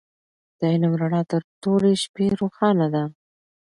د علم رڼا تر تورې شپې روښانه ده.